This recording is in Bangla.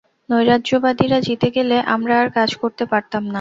নৈরাজ্যবাদীরা জিতে গেলে আমরা আর কাজ করতে পারতাম না।